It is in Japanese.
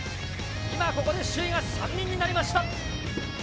今、ここで首位が３人になりました。